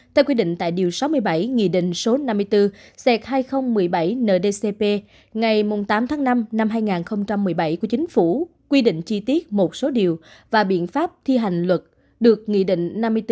theo quyết định tại điều sáu mươi bảy nghị định số năm mươi bốn hai nghìn một mươi bảy ndcp ngày tám tháng năm năm hai nghìn một mươi bảy của chính phủ quy định chi tiết một số điều và biện pháp thi hành luật được nghị định năm mươi bốn hai nghìn một mươi bảy